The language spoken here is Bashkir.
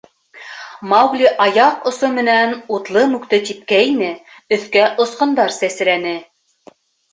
— Маугли аяҡ осо менән утлы мүкте типкәйне, өҫкә осҡондар сәсрәне.